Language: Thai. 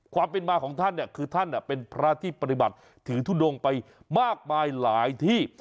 ความเป็นมาของท่านเนี่ยคือท่านเป็นพระที่ปฏิบัติถือทุดงไปมากมายหลายที่